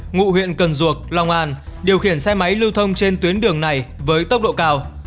ngụ huyện cần duộc long an điều khiển xe máy lưu thông trên tuyến đường này với tốc độ cao